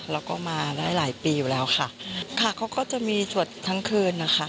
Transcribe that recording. แล้วก็มาได้หลายปีอยู่แล้วค่ะค่ะเขาก็จะมีสวดทั้งคืนนะคะ